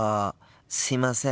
すいません。